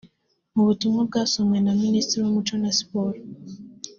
Mu butumwa bwasomwe na Minisitiri w’Umuco na Siporo